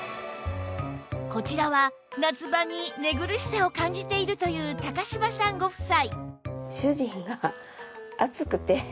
こちらは夏場に寝苦しさを感じているという柴さんご夫妻